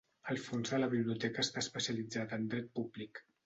El fons de la biblioteca està especialitzat en dret públic.